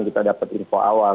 kita dapat info awal